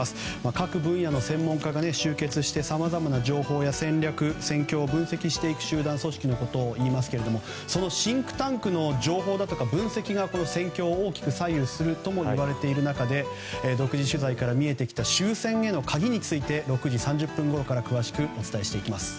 各分野の専門家が集結してさまざまな戦略・戦況を分析していく集団組織のことを言いますがそのシンクタンクの情報や分析が戦況を大きく左右するともいわれている中で独自取材から見えてきた終戦への鍵について６時３０分ごろから詳しくお伝えしていきます。